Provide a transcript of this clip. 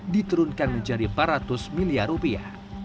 diturunkan menjadi empat ratus miliar rupiah